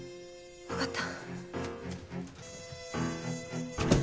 わかった。